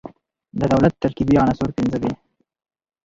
د دولت ترکيبي عناصر پنځه دي.